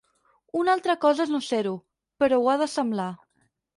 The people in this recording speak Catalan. Una altra cosa és no ser-ho, però ho ha de semblar.